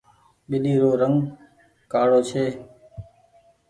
ٻلي رو رنگ ڪآڙو ڇي۔